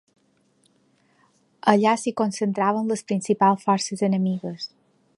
Allà s'hi concentraven les principals forces enemigues.